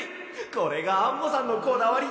これがアンモさんのこだわりでしたか。